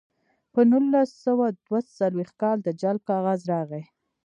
په نولس سوه دوه څلویښت کال د جلب کاغذ راغی